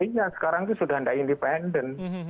iya sekarang itu sudah tidak independensi